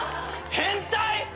変態！？